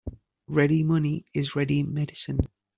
Ready money is ready medicine.